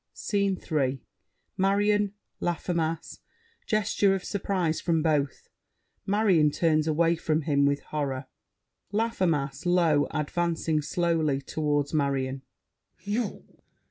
SCENE III Marion, Laffemas: gesture of surprise from both. Marion turns away from him with horror LAFFEMAS (low, advancing slowly toward Marion). You!